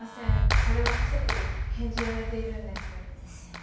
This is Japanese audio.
それは規則で禁じられているんですですよね